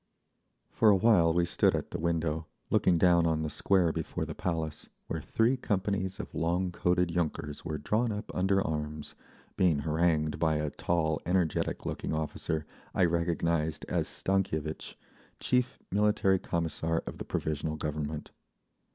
For a while we stood at the window, looking down on the Square before the Palace, where three companies of long coated yunkers were drawn up under arms, being harangued by a tall, energetic looking officer I recognised as Stankievitch, chief Military Commissar of the Provisional Government.